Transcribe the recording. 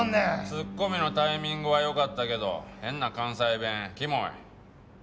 ツッコミのタイミングはよかったけど変な関西弁キモい。